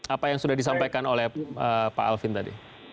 apa yang sudah disampaikan oleh pak alvin tadi